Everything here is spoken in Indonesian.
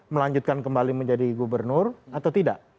melanjutkan kembali menjadi gubernur atau tidak